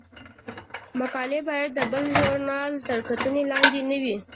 مقالې باید د بل ژورنال تر کتنې لاندې نه وي.